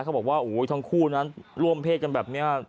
เขาบอกว่าทั้งคู่นั้นร่วมเพศกันแบบนี้